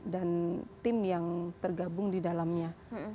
dan tim yang tergabung di dalamnya